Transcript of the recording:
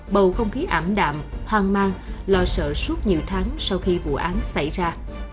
bầu không khí ảm đạm hoang mang lo sợ suốt nhiều tháng sau khi vụ án xảy ra